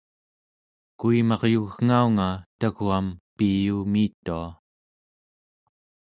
kuimaryugngaunga tau͡gaam piyuumiitua